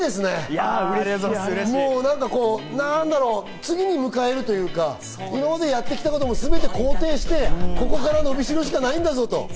次に向かえるというか、今までやってきたこともすべて肯定して、ここからのびしろしかないんだぞと。